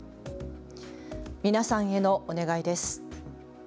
皆さんへのお願いです。